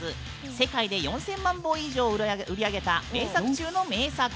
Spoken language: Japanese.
世界で４０００万本以上を売り上げた名作中の名作。